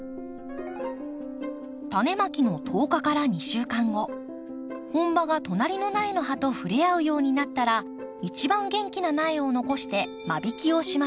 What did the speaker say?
タネまきの１０日から２週間後本葉が隣の苗の葉と触れ合うようになったら一番元気な苗を残して間引きをしましょう。